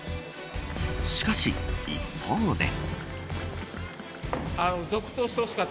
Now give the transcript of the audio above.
しかし、一方で。